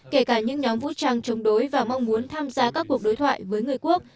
kể cả những nhóm vũ trang chống đối và mong muốn tham gia các cuộc đối thoại với người quốc